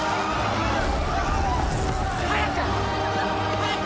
早く！